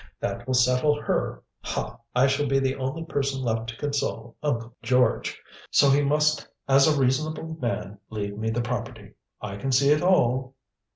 That will settle her. Ha! I shall be the only person left to console Uncle George, so he must as a reasonable man leave me the property. I can see it all."